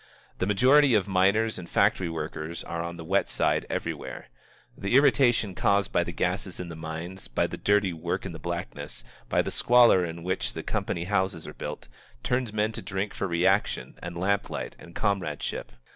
The majority of miners and factory workers are on the wet side everywhere. The irritation caused by the gases in the mines, by the dirty work in the blackness, by the squalor in which the company houses are built, turns men to drink for reaction and lamplight and comradeship.